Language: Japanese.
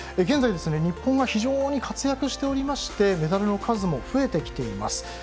現在、日本が非常に活躍しておりましてメダルの数も増えてきています。